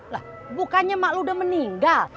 lah bukannya emak lo udah meninggal